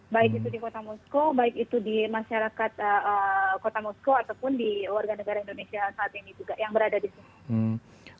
baik itu di kota moskow baik itu di masyarakat kota moskow ataupun di warga negara indonesia saat ini juga yang berada di sini